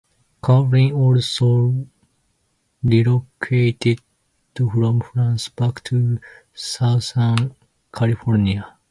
Curren also relocated from France back to Southern California.